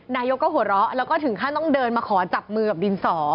นายกก็หัวเราะแล้วก็ถึงขั้นต้องเดินมาขอจับมือกับดินสอ